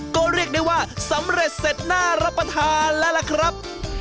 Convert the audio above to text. ก็เรียกได้ว่าสำเร็จเสร็จน่ารับประทานแล้วล่ะครับ